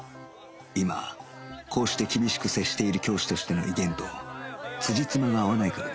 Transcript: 今こうして厳しく接している教師としての威厳とつじつまが合わないからだ